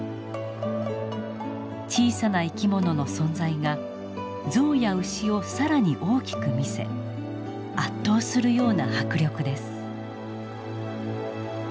小さな生き物の存在が象や牛を更に大きく見せ圧倒するような迫力です。